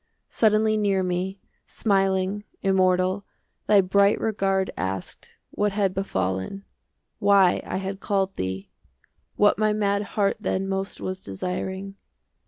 15 Suddenly near me, Smiling, immortal, Thy bright regard asked What had befallen,— Why I had called thee,— 20 What my mad heart then Most was desiring.